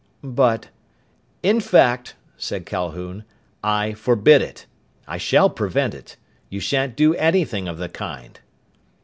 "But " "In fact," said Calhoun, "I forbid it. I shall prevent it. You shan't do anything of the kind."